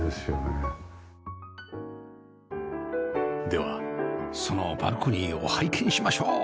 ではそのバルコニーを拝見しましょう